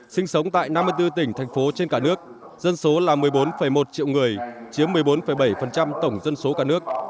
sinh sống tại năm mươi bốn tỉnh thành phố trên cả nước dân số là một mươi bốn một triệu người chiếm một mươi bốn bảy tổng dân số cả nước